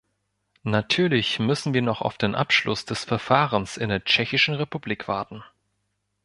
Natürlich müssen wir noch auf den Abschluss des Verfahrens in der Tschechischen Republik warten.